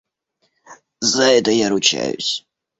За это я ручаюсь!